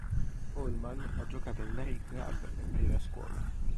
Allman ha giocato in vari club e per la scuola.